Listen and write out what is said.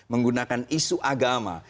menggunakan isu agama